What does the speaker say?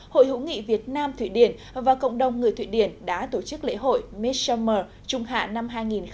hội hữu nghị việt nam thụy điển và cộng đồng người thụy điển đã tổ chức lễ hội miss summer trung hạ năm hai nghìn một mươi chín